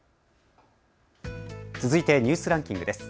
続いてニュースランキングです。